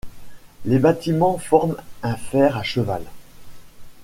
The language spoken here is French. Les bâtiments forment un fer à cheval.